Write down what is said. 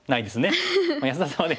安田さんはね